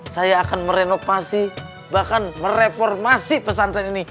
saya akan merenovasi bahkan mereformasi pesantren ini